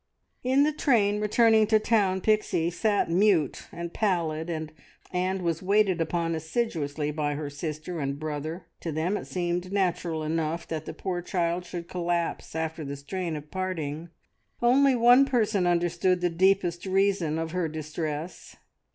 In the train returning to town Pixie sat mute and pallid, and was waited upon assiduously by her sister and brother. To them it seemed natural enough that the poor child should collapse after the strain of parting. Only one person understood the deepest reason of her distress.